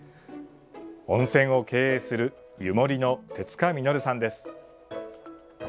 温泉を経営する湯守の手塚実さんです。